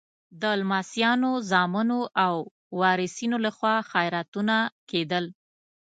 د لمسیانو، زامنو او وارثینو لخوا خیراتونه کېدل.